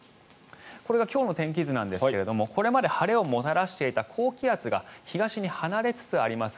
これが今日の天気図ですがこれまで晴れをもたらしていた高気圧が東に離れつつあります。